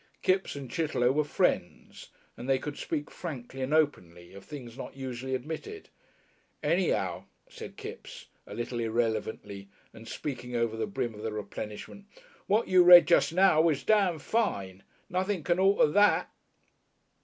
Kipps and Chitterlow were friends and they could speak frankly and openly of things not usually admitted. "Any 'ow," said Kipps, a little irrelevantly and speaking over the brim of the replenishment, "what you read jus' now was dam' fine. Nothing can't alter that."